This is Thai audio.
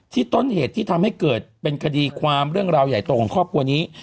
ต้นเหตุที่ทำให้เกิดเป็นคดีความเรื่องราวใหญ่โตของครอบครัวนี้